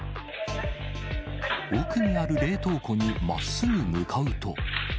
奥にある冷凍庫にまっすぐ向かうと。